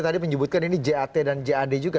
tadi menyebutkan ini jat dan jad juga